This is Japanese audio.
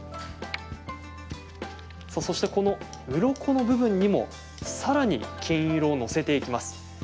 さあ、そしてこの、うろこの部分にもさらに金色を載せていきます。